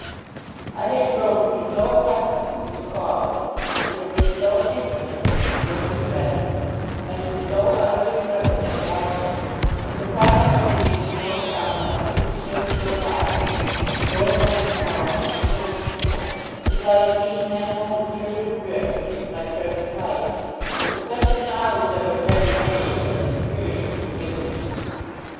I had grown to be so accustomed to the Micawbers, and had been so intimate with them in their distresses, and was so utterly friendless without them, that the prospect of being thrown upon some new shift for a lodging, and going once more among unknown people, was like being that moment turned adrift into my present life, with such a knowledge of it ready made as experience had given me.